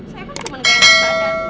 saya kan cuma negara negara